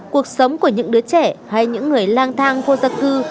cuộc sống của những đứa trẻ hay những người lang thang khô giặc cư